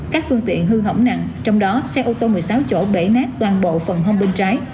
các phương tiện hư hỏng nặng trong đó xe ô tô một mươi sáu chỗ bể nát toàn bộ phần hông bên trái